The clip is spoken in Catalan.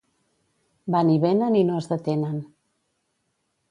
Van i venen i no es detenen.